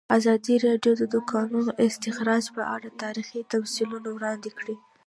ازادي راډیو د د کانونو استخراج په اړه تاریخي تمثیلونه وړاندې کړي.